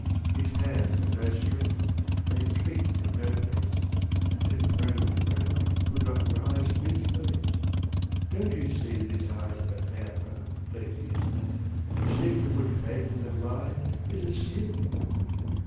Its hands have no strength, and its feet have no pace ; And if thrown on the ground 'twould not rise from its place, Don*t you sec that its eyes are but amber, let in ? To seek for good faith in the blind is a sin